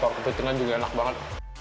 pak kepitingan juga enak banget